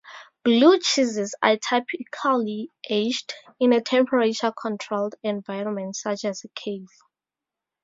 Blue cheeses are typically aged in a temperature-controlled environment such as a cave.